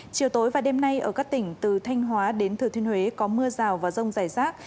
chiều tối và đêm nay ở các tỉnh từ thanh hóa đến thừa thiên huế có mưa rào và rông rải rác